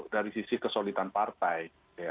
dari sisi kesolidan partai